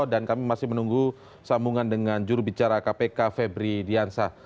dan kami masih menunggu sambungan dengan jurubicara kpk febri diansa